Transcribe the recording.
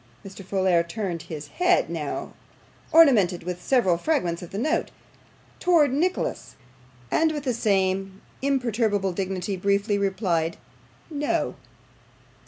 Mr. Folair turned his head now ornamented with several fragments of the note towards Nicholas, and with the same imperturbable dignity, briefly replied 'No.